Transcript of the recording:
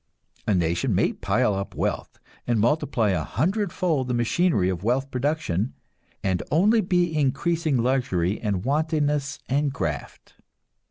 A nation may pile up wealth, and multiply a hundredfold the machinery of wealth production, and only be increasing luxury and wantonness and graft.